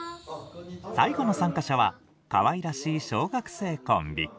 最後の参加者はかわいらしい小学生コンビ。